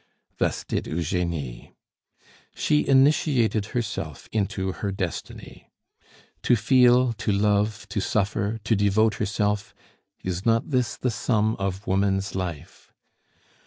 Thus did Eugenie. She initiated herself into her destiny. To feel, to love, to suffer, to devote herself, is not this the sum of woman's life?